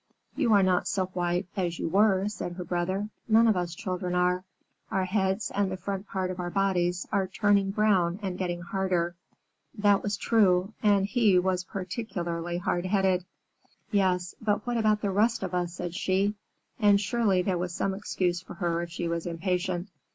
"You are not so white as you were," said her brother. "None of us children are. Our heads and the front part of our bodies are turning brown and getting harder." That was true, and he was particularly hard headed. "Yes, but what about the rest of us?" said she, and surely there was some excuse for her if she was impatient.